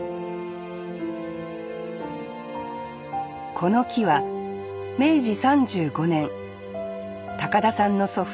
この木は明治３５年田さんの祖父